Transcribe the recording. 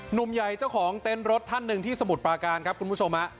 หนุ่มใหญ่เจ้าของเต้นรถท่านหนึ่งที่สมุทรปราการครับคุณผู้ชมฮะ